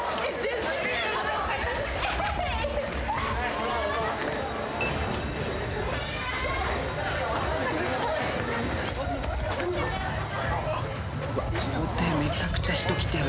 うわっ校庭めちゃくちゃ人来てる。